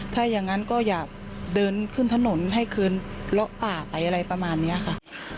ถ้าอย่างนั้นก็อยากเดินขึ้นถนนให้คืนเลาะป่าไปอะไรประมาณนี้ค่ะ